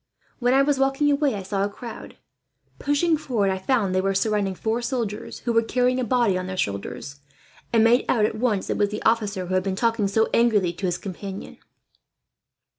"When I was walking away, I saw a crowd. Pushing forward, I found they were surrounding four soldiers who were carrying a body on their shoulders, and made out at once it was the officer who had been talking so angrily to his companion.